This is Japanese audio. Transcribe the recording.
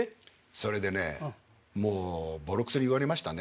それでねもうぼろくそに言われましたね。